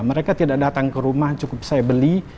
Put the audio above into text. mereka tidak datang ke rumah cukup saya beli